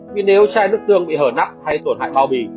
vì nếu chai nước tương bị hở nắp hay tổn hại bao bì